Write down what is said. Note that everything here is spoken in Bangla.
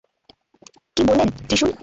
কী বললেন, ত্রিশূল?